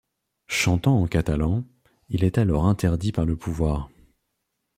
Chantant en catalan, il est alors interdit par le pouvoir.